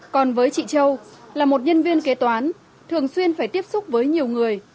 còn với chị châu là một nhân viên kế toán thường xuyên phải tiếp xúc với nhiều người